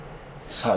さあ